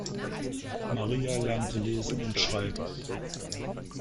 Maria lernte lesen und schreiben.